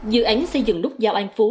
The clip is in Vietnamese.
dự án xây dựng nút dao an phú